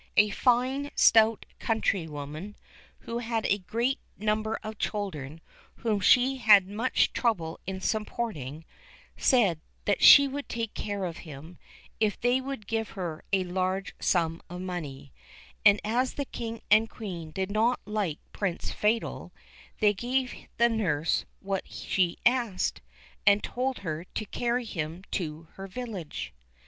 A fine stout countrywoman, who had a great number of children whom she had much trouble in supporting, said that she would take care of him if they would give her a large sum of money; and as the King and Queen did not like Prince Fatal, they gave the nurse what she asked, and told her to carry him to her village.